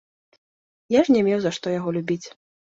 Я ж не меў за што яго любіць.